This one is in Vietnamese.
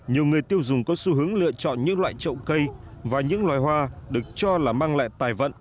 nhiều người tiêu dùng có xu hướng lựa chọn những loại trậu cây và những loài hoa được cho là mang lại tài vận